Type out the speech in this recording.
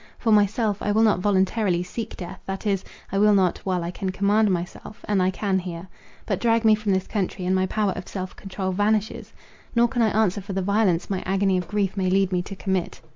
For myself, I will not voluntarily seek death, that is, I will not, while I can command myself; and I can here. But drag me from this country; and my power of self control vanishes, nor can I answer for the violence my agony of grief may lead me to commit."